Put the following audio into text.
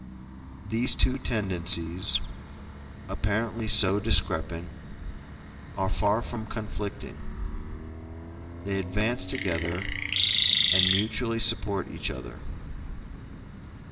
These two tendencies, apparently so discrepant, are far from conflicting; they advance together, and mutually support each other.